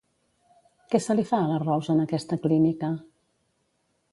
Què se li fa a la Rose en aquesta clínica?